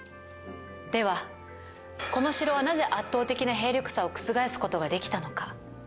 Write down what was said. では、この城は、なぜ圧倒的な兵力差を覆す事ができたのか？